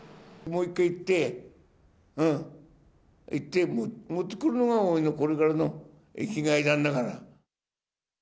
もう１回行って、行って持ってくるのが俺のこれからの生きがいなんだから。